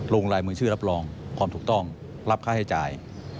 ลงลายมือชื่อรับรองความถูกต้องรับค่าใช้จ่าย